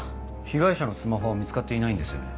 被害者のスマホは見つかっていないんですよね？